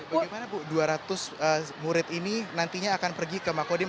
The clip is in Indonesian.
bagaimana bu dua ratus murid ini nantinya akan pergi ke makodim